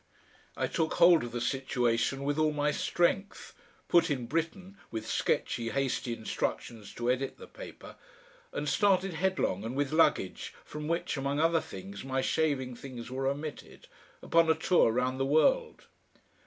I took hold of the situation with all my strength, put in Britten with sketchy, hasty instructions to edit the paper, and started headlong and with luggage, from which, among other things, my shaving things were omitted, upon a tour round the world.